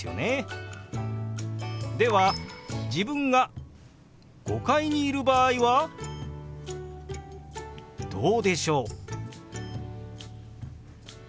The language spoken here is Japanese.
では自分が５階にいる場合はどうでしょう？